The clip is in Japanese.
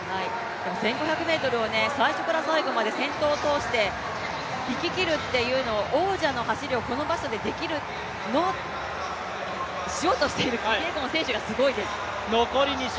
１５００ｍを最初から最後まで先頭を通して行き切るという王者の走りを、この場所でしようとしているキピエゴン選手がすごいです。